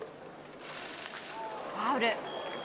ファウル。